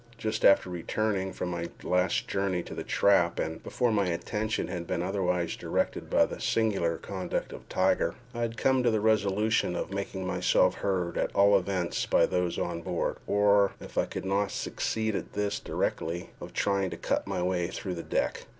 Just after returning from my last journey to the trap, and before my attention had been otherwise directed by the singular conduct of Tiger, I had come to the resolution of making myself heard at all events by those on board, or, if I could not succeed in this directly, of trying to cut my way through the orlop deck.